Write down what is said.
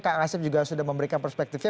kak asyf juga sudah memberikan perspektifnya